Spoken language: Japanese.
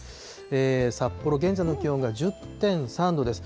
札幌、現在の気温が１０．３度です。